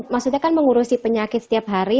maksudnya kan mengurusi penyakit setiap hari